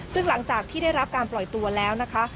ซึ่งหลังจากที่ได้รับการปล่อยตัวแล้วนะคะ